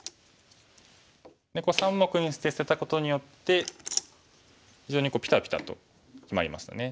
３目にして捨てたことによって非常にピタピタと決まりましたね。